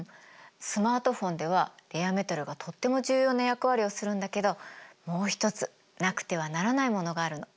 スマートフォンではレアメタルがとっても重要な役割をするんだけどもう一つなくてはならないものがあるの。